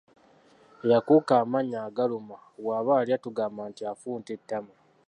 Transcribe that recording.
Eyakuuka amannyo agaluma bw’aba alya tugamba nti afunta entama.